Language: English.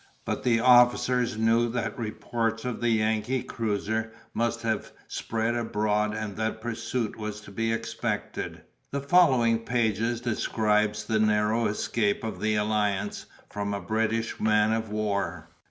But the officers knew that reports of the Yankee cruiser must have spread abroad and that pursuit was to be expected. The following pages describe the narrow escape of the Alliance from a British man of war.